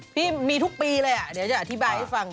พี่มีทุกปีเลยเดี๋ยวจะอธิบายให้ฟัง